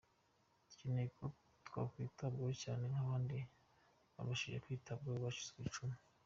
Dukeneye ko twakwitabwaho cyane nk’abandi babashije kwitabwaho bacitse ku icumu.